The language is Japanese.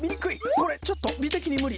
これちょっと美的に無理！